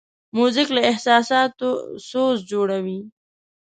موزیک له احساساتو سوز جوړوي.